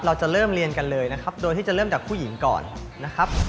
เราจะเริ่มเรียนกันเลยนะครับโดยที่จะเริ่มจากผู้หญิงก่อนนะครับ